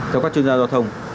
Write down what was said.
theo các chuyên gia giao thông